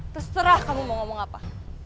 terserah kamu mau ngomong apa